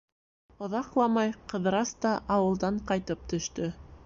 Оҙаҡламай Ҡыҙырас та ауылдан ҡайтып төштө.